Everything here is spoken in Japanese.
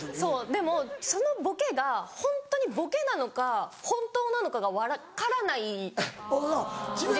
でもそのボケがホントにボケなのか本当なのかが分からないんです。